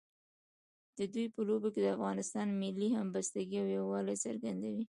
د دوی په لوبو کې د افغانانو ملي همبستګۍ او یووالي څرګندوي.